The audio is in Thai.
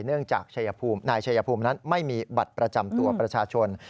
เนื่องจากนายชัยภูมินั้นไม่มีบัตรประจำตัวประชาชน